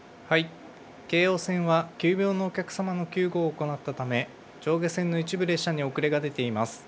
京葉線は急病のお客様の救護を行ったため、上下線の一部列車に遅れが出ています。